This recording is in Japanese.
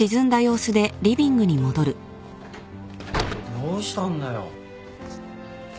どうしたんだよ。